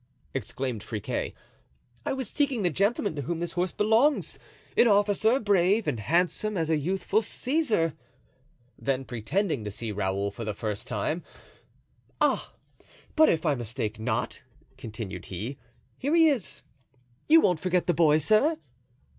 exclaimed Friquet. "I was seeking the gentleman to whom this horse belongs—an officer, brave and handsome as a youthful Caesar;" then, pretending to see Raoul for the first time: "Ah! but if I mistake not," continued he, "here he is; you won't forget the boy, sir."